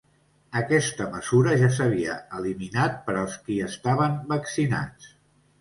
Aquesta mesura ja s’havia eliminat per als qui estaven vaccinats.